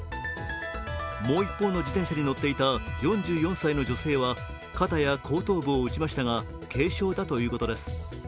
もう一方の自転車に乗っていた４４歳の女性は肩や後頭部を打ちましたが軽傷だということです。